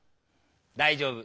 大丈夫。